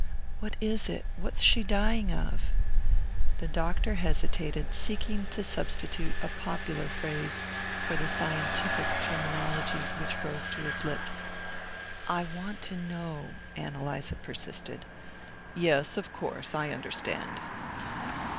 "What is it? What's she dying of?" The doctor hesitated, seeking to substitute a popular phrase for the scientific terminology which rose to his lips. "I want to know," Ann Eliza persisted. "Yes, of course; I understand.